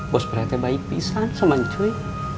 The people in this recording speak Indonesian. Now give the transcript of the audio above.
bos brai tuh baik pisah sama cuy